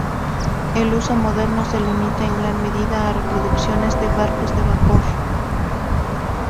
El uso moderno se limita en gran medida a reproducciones de barcos de vapor.